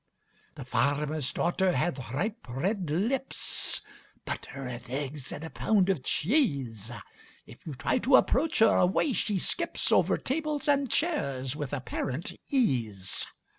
The farmerŌĆÖs daughter hath ripe red lips; (Butter and eggs and a pound of cheese) If you try to approach her away she skips Over tables and chairs with apparent ease.